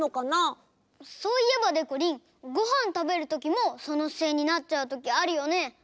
そういえばでこりんごはんたべるときもそのしせいになっちゃうときあるよね？